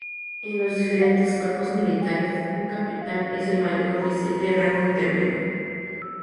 En los diferentes cuerpos militares, un capitán es el mayor oficial de rango intermedio.